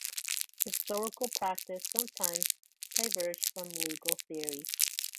Historical practice sometimes diverged from legal theory.